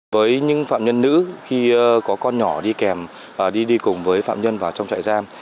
với những phạm nhân nữ khi có con nhỏ đi kèm đi đi cùng với phạm nhân vào trong trại giam